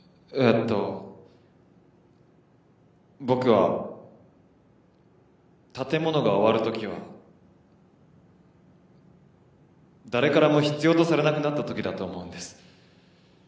僕は建物が終わるときは誰からも必要とされなくなったときだと思うんです。